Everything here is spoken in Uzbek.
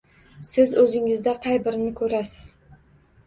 Siz o‘zingizda qay birini ko‘rasiz?